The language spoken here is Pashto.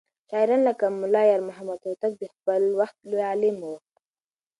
شاعران لکه ملا يارمحمد هوتک د خپل وخت لوى عالم و.